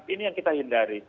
ini yang kita hindari